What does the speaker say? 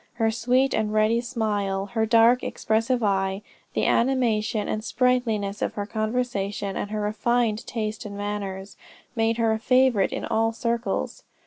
Her sweet and ready smile, her dark expressive eye, the animation and sprightliness of her conversation, and her refined taste and manners, made her a favorite in all circles.